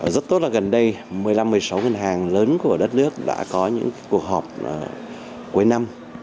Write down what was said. rất tốt là gần đây một mươi năm một mươi sáu ngân hàng lớn của đất nước đã có những cuộc họp cuối năm